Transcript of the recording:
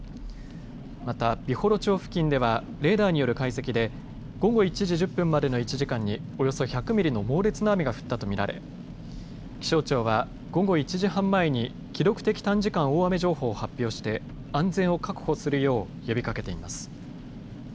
また美幌町付近ではレーダーによる解析で午後１時１０分までの１時間におよそ１００ミリの猛烈な雨が降ったと見られ、気象庁は午後１時半前に記録的短時間大雨情報を発表して安全を確保するよう呼びかけています。